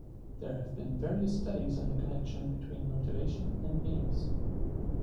There have been various studies on the connection between motivation and games.